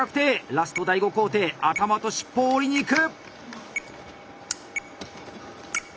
ラスト第５工程頭と尻尾を折りにいく！